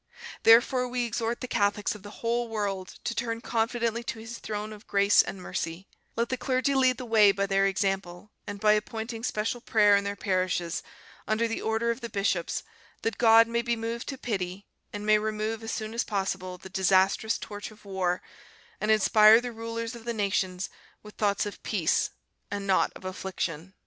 Therefore we exhort the Catholics of the whole world to turn confidently to His throne of grace and mercy; let the clergy lead the way by their example and by appointing special prayer in their parishes, under the order of the bishops, that God may be moved to pity, and may remove as soon as possible the disastrous torch of war and inspire the rulers of the nations with thoughts of peace and not of affliction."